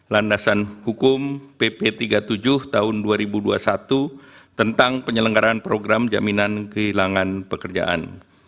landasan hukum pp tiga puluh tujuh tahun dua ribu dua puluh satu tentang penyelenggaran program jaminan kehilangan pekerjaan